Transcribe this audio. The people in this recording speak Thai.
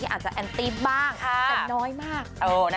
อาจจะแอนตี้บ้างแต่น้อยมาก